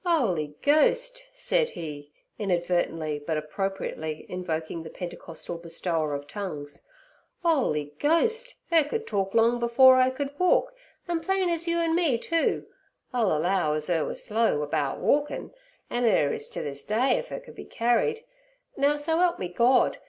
"Oly Ghost!' said he, inadvertently but appropriately invoking the Pentecostal Bestower of tongues—"'Oly Ghost! 'er could talk long afore 'er could walk, an' plain az you an' me, too. I'll allow az 'er were slow about walkin', an' 'er is ter this day if 'er can be carried. Now, so 'elp me Gord!